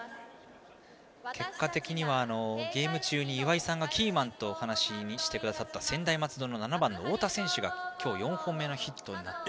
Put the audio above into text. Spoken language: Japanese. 結果的にはゲーム中に岩井さんがキーマンと話された専大松戸の７番の太田選手が今日４本目のヒットになって。